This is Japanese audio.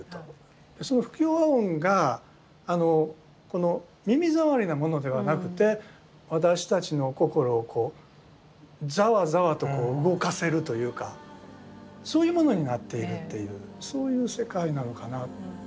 その不協和音が耳障りなものではなくて私たちの心をこうざわざわと動かせるというかそういうものになっているっていうそういう世界なのかなと。